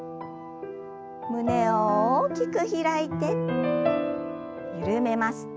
胸を大きく開いて緩めます。